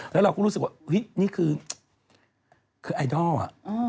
แล้วเราก็รู้สึกว่านี่คือไอดอลอ่ะ